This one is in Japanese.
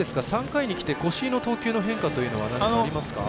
３回にきて、越井の投球の変化は何かありますか？